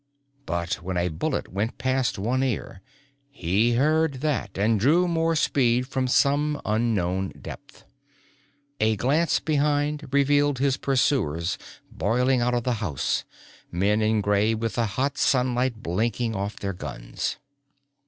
But when a bullet went past one ear, he heard that and drew more speed from some unknown depth. A glance behind revealed his pursuers boiling out of the house, men in gray with the hot sunlight blinking off their guns.